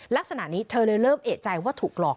ลักษณะนี้เธอเลยเริ่มเอกใจว่าถูกหลอก